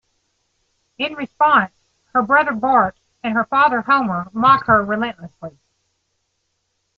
In response, her brother Bart and her father Homer mock her relentlessly.